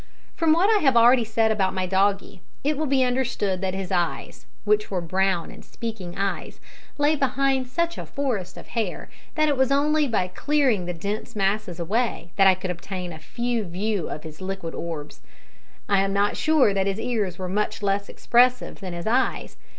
From what I have already said about my doggie, it will be understood that his eyes which were brown and speaking eyes lay behind such a forest of hair that it was only by clearing the dense masses away that I could obtain a full view of his liquid orbs. I am not sure that his ears were much less expressive than his eyes.